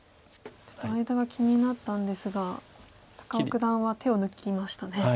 ちょっと間が気になったんですが高尾九段は手を抜きましたね。